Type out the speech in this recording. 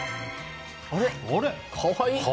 あれ？